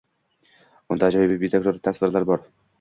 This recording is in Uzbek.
Unda ajoyibu betakror tasvirlar bor.